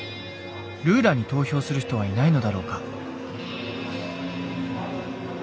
ルーラに投票する人はいないのだろうか？